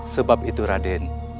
sebab itu raden